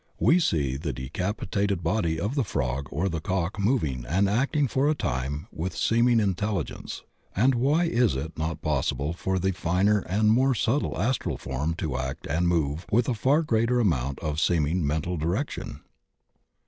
We see the decapitated body of the frog or the cock moving and acting for a time with a seeming intelligence, and why is it not possible for the finer and more subtle astral form to act and move with a far greater amount of seeming mental direction?